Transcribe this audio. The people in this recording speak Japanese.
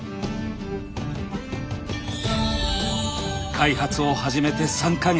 開発を始めて３か月。